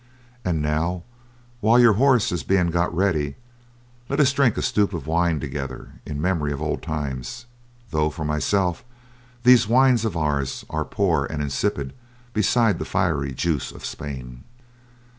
And now, while your horse is being got ready, let us drink a stoup of wine together in memory of old times, though, for myself, these wines of ours are poor and insipid beside the fiery juice of Spain."